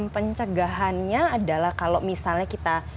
pencegahannya adalah kalau misalnya kita